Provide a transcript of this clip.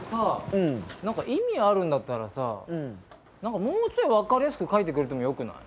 うん何か意味あるんだったらさ何かもうちょい分かりやすく書いてくれてもよくない？